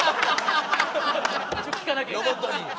ロボットに。